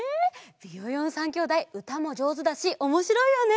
ビヨヨン３きょうだいうたもじょうずだしおもしろいよね！